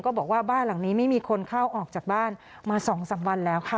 บอกว่าบ้านหลังนี้ไม่มีคนเข้าออกจากบ้านมา๒๓วันแล้วค่ะ